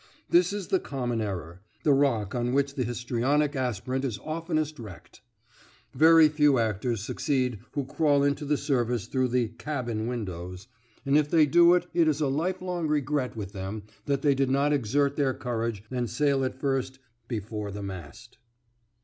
This is the common error, the rock on which the histrionic aspirant is oftenest wrecked. Very few actors succeed who crawl into the service through the "cabin windows"; and if they do it is a lifelong regret with them that they did not exert their courage and sail at first "before the mast."